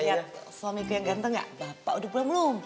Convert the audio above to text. lihat suamiku yang ganteng enggak bapak udah pulang belum